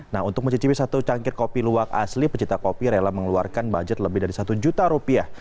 nah untuk mencicipi satu cangkir kopi luwak asli pecinta kopi rela mengeluarkan budget lebih dari satu juta rupiah